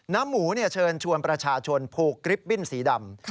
น้ำหมูเนี่ยเชิญชวนประชาชนพูกกริปบิ้นสีดำ